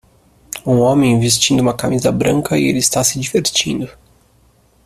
Um homem vestindo uma camisa branca e ele está se divertindo